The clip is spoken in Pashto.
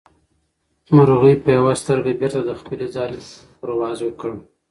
مرغۍ په یوه سترګه بېرته د خپلې ځالې په لور پرواز وکړ.